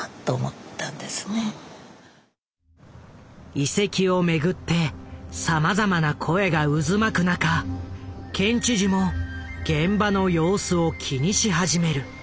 遺跡をめぐってさまざまな声が渦巻く中県知事も現場の様子を気にし始める。